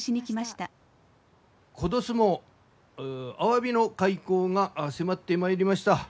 今年もアワビの開口が迫ってまいりました。